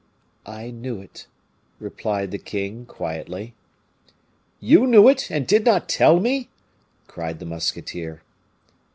"I knew it," replied the king, quietly. "You knew it, and did not tell me!" cried the musketeer.